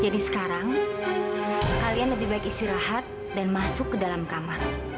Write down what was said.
jadi sekarang kalian lebih baik istirahat dan masuk ke dalam kamar